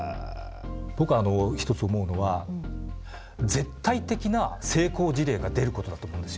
僕一つ思うのは絶対的な成功事例が出ることだと思うんですよ。